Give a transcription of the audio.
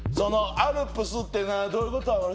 アルプスっていうのはどういうことなの？